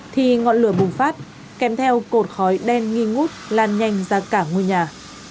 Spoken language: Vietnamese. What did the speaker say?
thì ngọn lửa bùng phát kèm theo cột khói đen nghi ngút lan nhanh ra cả ngôi nhà